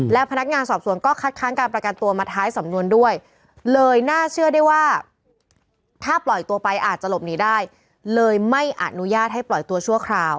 และพนักงานสอบสวนก็คัดค้างการประกันตัวมาท้ายสำนวนด้วยเลยน่าเชื่อได้ว่าถ้าปล่อยตัวไปอาจจะหลบหนีได้เลยไม่อนุญาตให้ปล่อยตัวชั่วคราว